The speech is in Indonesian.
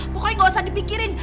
pokoknya gak usah dipikirin